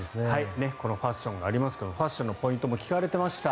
このファッションがありますけどファッションのポイントも聞かれていました。